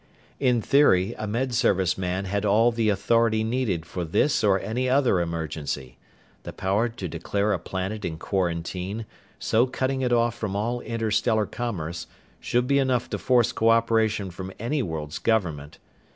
In theory, a Med Service man had all the authority needed for this or any other emergency. The power to declare a planet in quarantine, so cutting it off from all interstellar commerce, should be enough to force cooperation from any world's government.